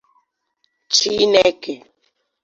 Chineke